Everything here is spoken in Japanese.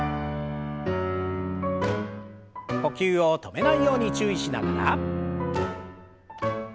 呼吸を止めないように注意しながら。